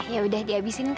ya udah di abisin kak